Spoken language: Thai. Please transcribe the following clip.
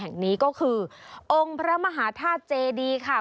แห่งนี้ก็คือองค์พระมหาธาตุเจดีค่ะ